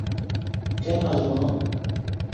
কেন আসবো না?